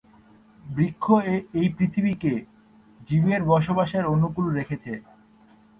বৃক্ষ এই পৃথিবীকে জীবের বাসের অনুকূল রেখেছে।